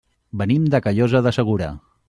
Venim de Callosa de Segura.